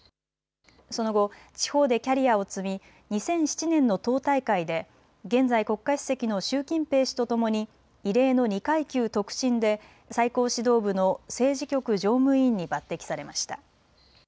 その後、地方でキャリアを積み２００７年の党大会で現在国家主席の習近平氏とともに異例の２階級特進で最高指導部の政治局常務委員に抜てきされました。